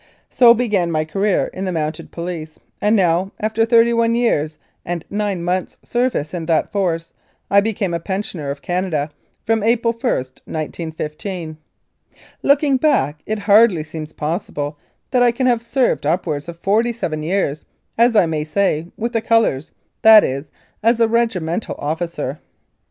So began my career in the Mounted Police, and now, after thirty one years and nine months' service in that Force, I became a pensioner of Canada from April i, 1915. Looking back, it hardly seems possible that I can have served upwards of forty seven years, as I may say, with the colours, that is, as a regimental officer.